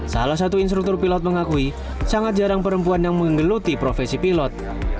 salah satu instruktur pilot mengakui sangat jarang perempuan yang menggeluti profesi pilot